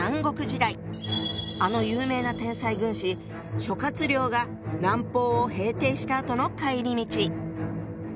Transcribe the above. あの有名な天才軍師諸亮が南方を平定したあとの帰り道。